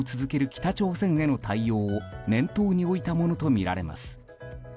北朝鮮への対応を念頭に置いたものとみられます。